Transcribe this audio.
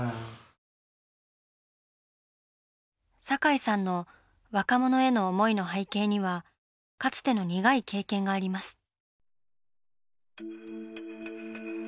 堺さんの若者への思いの背景にはかつての苦い経験があります。